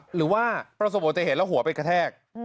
หรือว่าประสบบต่อจะเห็นแล้วหัวไปกระแทก